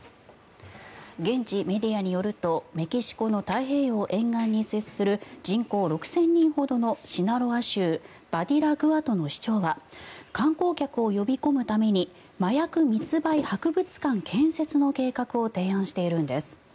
現地メディアによるとメキシコの太平洋沿岸に接する人口６０００人ほどのシナロア州バディラグアトの市長は観光客を呼び込むために麻薬密売博物館建設の計画を提案しているんです。